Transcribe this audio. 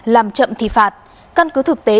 làm chậm thì phạt căn cứ thực tế